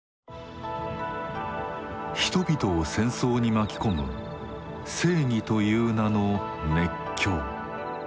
人々を戦争に巻き込む正義という名の「熱狂」。